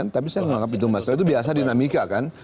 tapi saya menganggap itu masalah itu biasa dinamika kan